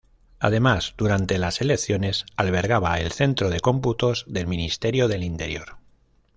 Además, durante las elecciones albergaba el centro de cómputos del Ministerio del Interior.